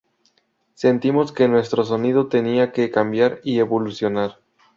Sentimos que nuestro sonido tenía que cambiar y evolucionar".